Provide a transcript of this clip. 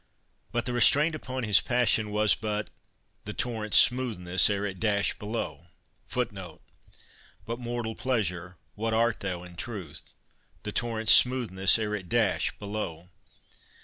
But the restraint upon his passion was but "The torrent's smoothness ere it dash below." But mortal pleasure, what art thou in truth? The torrent's smoothness ere it dash, below.